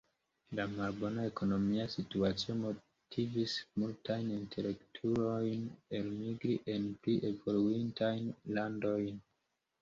La malbona ekonomia situacio motivis multajn intelektulojn elmigri en pli evoluintajn landojn.